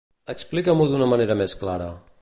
Explica-m'ho d'una manera més clara.